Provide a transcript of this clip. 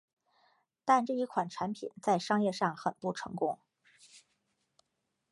但这一款产品在商业上很不成功。